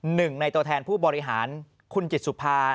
หนึ่งในตัวแทนผู้บริหารคุณจิตสุภา